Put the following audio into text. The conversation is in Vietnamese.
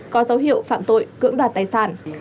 có dấu hiệu phạm tội cưỡng đoạt tài sản